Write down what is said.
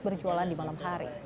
berjualan di malam hari